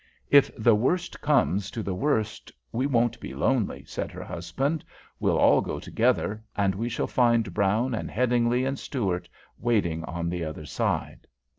"If the worst comes to the worst, we won't be lonely," said her husband. "We'll all go together, and we shall find Brown and Headingly and Stuart waiting on the other side."